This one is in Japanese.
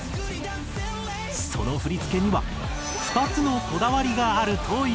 その振付には２つのこだわりがあるという。